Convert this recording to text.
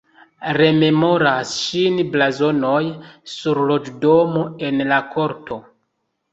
Rememoras ŝin blazonoj sur loĝdomo en la korto.